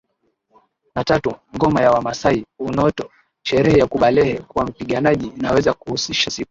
na tatu Ngoma ya Wamasai Eunoto sherehe ya kubalehe kwa mpiganaji inaweza kuhusisha siku